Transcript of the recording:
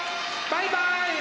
バイバイ！